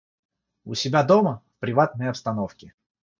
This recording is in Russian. у себя дома, в приватной обстановке.